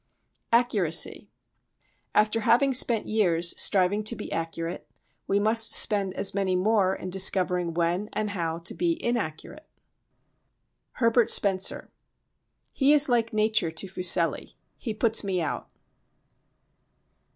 Accuracy After having spent years striving to be accurate, we must spend as many more in discovering when and how to be inaccurate. Herbert Spencer He is like nature to Fuseli—he puts me out.